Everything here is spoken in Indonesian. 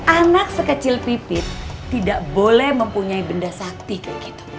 anak sekecil pipit tidak boleh mempunyai benda sakti